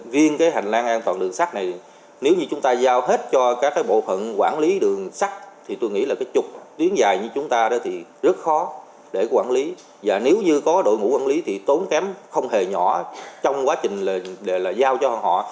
và nếu như có đội ngũ quản lý thì tốn kém không hề nhỏ trong quá trình giao cho họ